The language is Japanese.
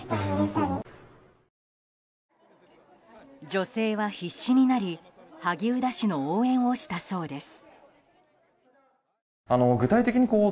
女性は必死になり萩生田氏の応援をしたそうです。